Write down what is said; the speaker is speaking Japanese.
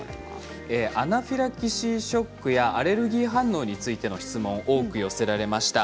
アナフィラキシーショックやアレルギー反応について質問を多く寄せられました。